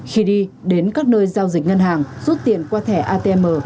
khi đi đến các nơi giao dịch ngân hàng rút tiền qua thẻ atm